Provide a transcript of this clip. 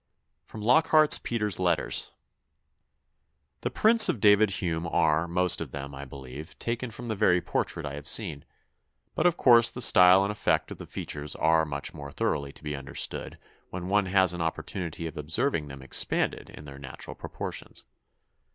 '" [Sidenote: Lockhart's Peter's Letters.] "The prints of David Hume are, most of them, I believe, taken from the very portrait I have seen; but of course the style and effect of the features are much more thoroughly to be understood when one has an opportunity of observing them expanded in their natural proportions.